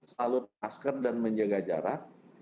selalu memakai masker dan menjaga jarak